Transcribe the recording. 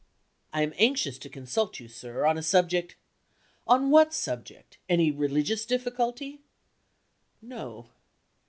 "I am anxious to consult you, sir, on a subject " "On what subject? Any religious difficulty?" "No."